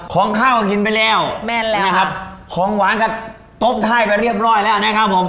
ของข้าวก็กินไปแล้วแม่นแล้วนะครับของหวานกับโต๊ะไทยไปเรียบร้อยแล้วนะครับผม